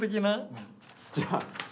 じゃあ。